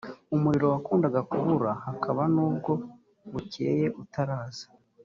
umuriro wakundaga kubura hakaba n ubwo bukeye utaraza